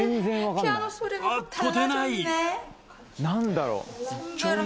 何だろう？